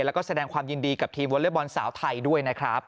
แล้วก็แสดงความยินดีกับทีมวอเล็กบอลสาวไทยด้วยนะครับ